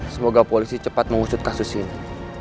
semoga polisi cepat mengusut kasus ini